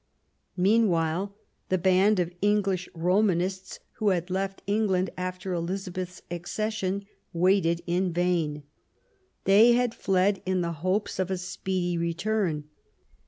Meanwhile the band of English Romanists who had left England after Elizabeth's accession waited in vain. They had fled in the hopes of. a speedy return.